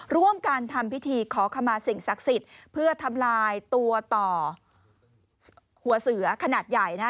ร่วมกันทำพิธีขอขมาสิ่งศักดิ์สิทธิ์เพื่อทำลายตัวต่อหัวเสือขนาดใหญ่นะ